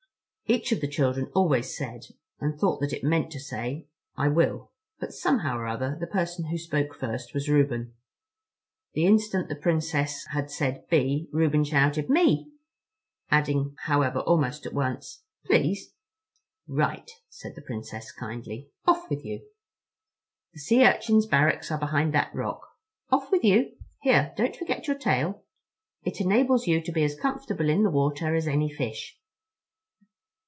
Each of the children always said, and thought that it meant to say "I will," but somehow or other the person who spoke first was Reuben. The instant the Princess had said "be," Reuben shouted: "Me," adding however almost at once, "please." "Right," said the Princess kindly, "off with you! The Sea Urchins' barracks are behind that rock. Off with you! Here, don't forget your tail. It enables you to be as comfortable in the water as any fish."